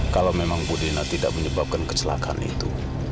kalau memang budina tidak menyebabkan kecelakaan itu